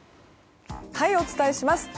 お伝えします。